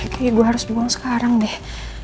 kayak gue harus buang sekarang deh